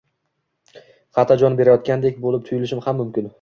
hatto jon berayotgandek bo‘lib tuyulishim ham mumkin.